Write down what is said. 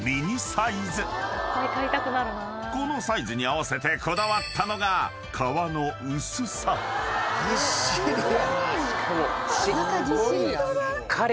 ［このサイズに合わせてこだわったのが］しかも。